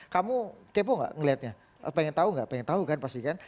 kamu kepo gak ngeliatnya pengen tahu nggak pengen tahu kan pasti kan